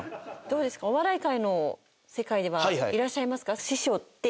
どうですかお笑い界の世界ではいらっしゃいますか？